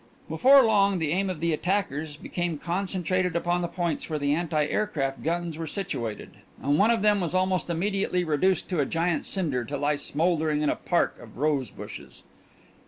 Before long the aim of the attackers became concentrated upon the points where the anti aircraft guns were situated, and one of them was almost immediately reduced to a giant cinder to lie smouldering in a park of rose bushes.